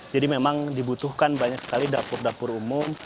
jadi memang dibutuhkan banyak sekali dapur dapur umum